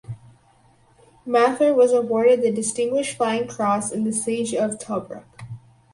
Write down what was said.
Mather was awarded the Distinguished Flying Cross in the Siege of Tobruk.